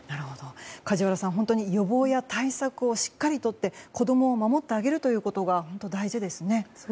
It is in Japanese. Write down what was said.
梶原さん、予防や対策をしっかりとって子供を守ってあげることが大事ですね。